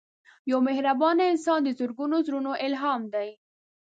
یو مهربان انسان د زرګونو زړونو الهام دی